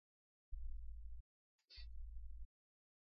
Alihudumu kwa nafasi ya Afisa Miradi na kufanya kazi Serikalini